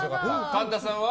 神田さんは？